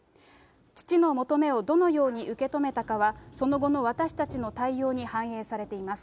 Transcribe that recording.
父の求めをどのように受け止めたかは、その後の私たちの対応に反映されています。